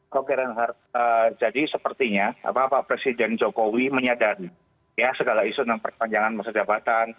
kau kira kira jadi sepertinya pak presiden jokowi menyadari ya segala isu tentang perpanjangan masa jabatan